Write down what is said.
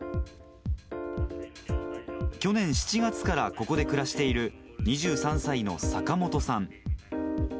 去年７月からここで暮らしている２３歳の坂本さん。